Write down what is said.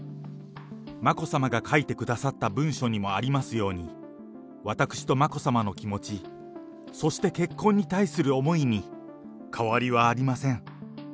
眞子さまが書いてくださった文書にもありますように、私と眞子さまの気持ち、そして、結婚に対する思いに変わりはありません。